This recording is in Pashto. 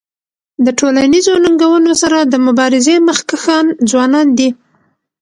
د ټولنیزو ننګونو سره د مبارزی مخکښان ځوانان دي.